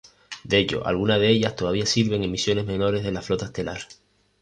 De hecho algunas de ellas todavía sirven en misiones menores de la Flota Estelar.